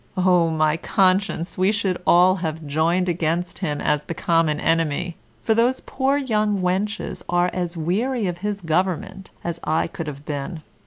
Oh, my conscience! we should all have joined against him as the common enemy, for those poor young wenches are as weary of his government as I could have been.